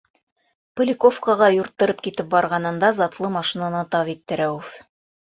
Поляковкаға юрттырып китеп барғанында затлы машинаны тап итте Рәүеф.